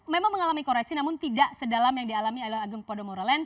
memang mengalami koreksi namun tidak sedalam yang dialami oleh agung podomoro land